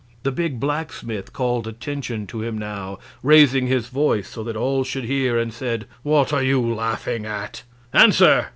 The big blacksmith called attention to him now, raising his voice so that all should hear, and said: "What are you laughing at? Answer!